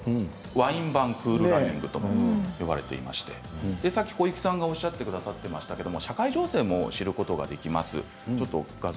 ワイン版「クール・ランニング」とも呼ばれていましてさっき小雪さんがおっしゃっていましたが社会情勢も知ることができます。